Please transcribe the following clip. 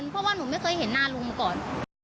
เพราะว่าหนูไม่เคยเห็นหน้าลุงมาก่อน